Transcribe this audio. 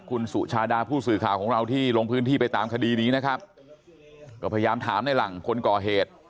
คุณสุชาดาผู้สื่อข่าวของเราที่ลงพื้นที่ไปตามคดีนี้นะครับก็พยายามถามในหลังคนก่อเหตุ